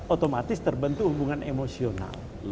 otomatis terbentuk hubungan emosional